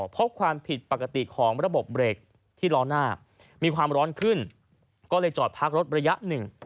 พบความผิดปกติของระบบเบรกที่ล้อหน้ามีความร้อนขึ้นก็เลยจอดพักรถระยะหนึ่ง